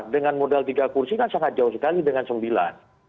dengan modal tiga kursi kan sangat jauh sekali dengan sembilan